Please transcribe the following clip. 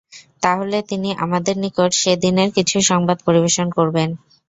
তাহলে তিনি আমাদের নিকট সে দিনের কিছু সংবাদ পরিবেশন করবেন।